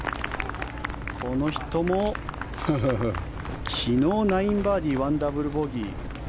この人も昨日９アンダー１ダブルボギー。